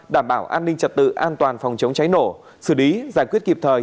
đảm bảo an ninh trật tự an toàn phòng chống cháy nổ xử lý giải quyết kịp thời